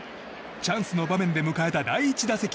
チャンスの場面で迎えた第１打席。